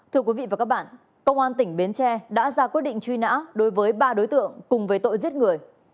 thưa quý vị và các bạn công an tỉnh bến tre đã ra quyết định truy nã đối với ba đối tượng cùng với tội giết người